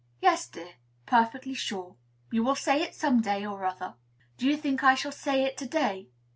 "Yes, dear; perfectly sure. You will say it some day or other." "Do you think I shall say it to day?"